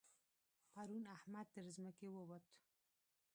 پرون احمد تر ځمکې ووت.